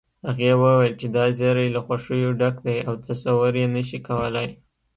هغې وويل چې دا زيری له خوښيو ډک دی او تصور يې نشې کولی